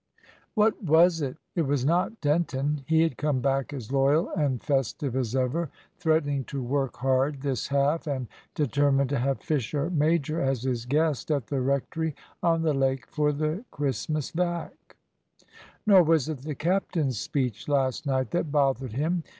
What was it? It was not Denton. He had come back as loyal and festive as ever, threatening to work hard this half, and determined to have Fisher major as his guest at the rectory on the lake for the Christmas vac. Nor was it the captain's speech last night that bothered him.